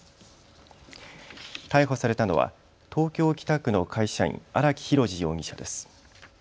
逮捕されたのは東京北区の会社員、荒木博路容疑者です。